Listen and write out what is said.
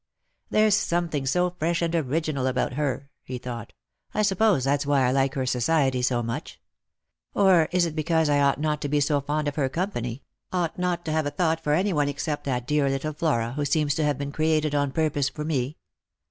"There's something so fresh and original about her," he thought. " I suppose that's why I like her society so much. Or is it because I ought not to be so fond of her company? ought not to have a thought for any one except that dear little Flora, who seems to have been created on purpose for me